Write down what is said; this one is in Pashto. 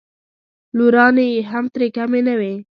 لورانې یې هم ترې کمې نه وې.